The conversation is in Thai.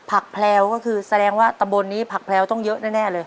ผักแพลวก็คือแสดงว่าตำบลนี้ผักแพลวต้องเยอะแน่เลย